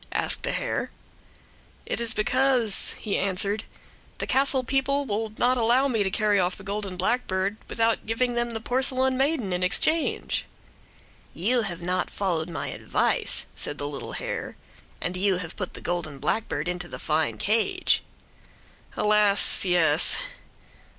asked the hare. "It is because," he answered, "the castle people will not allow me to carry off the golden blackbird without giving them the porcelain maiden in exchange." "You have not followed my advice," said the little hare. "And you have put the golden blackbird into the fine cage." "Alas! yes!"